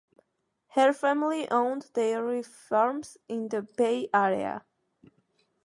Her family owned dairy farms in the Bay Area.